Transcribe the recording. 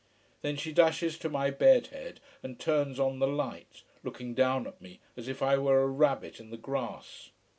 Then she dashes to my bedhead and turns on the light, looking down at me as if I were a rabbit in the grass.